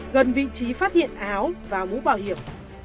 gần vị trí phát hiện áo và mũ bảo hiểm